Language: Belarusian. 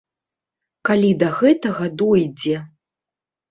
Калі да гэтага дойдзе.